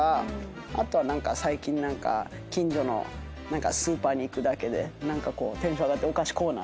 あとは最近近所のスーパーに行くだけで何かこうテンション上がってお菓子コーナーとか。